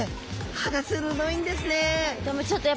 歯が鋭いんですね。